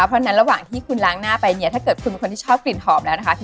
เพราะรวมที่คุณล้างหน้าไปเนี่ยถ้าเกิดชอบกลิ่นหอมแล้วนะคะ